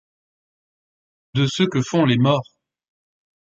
De ce que font les morts.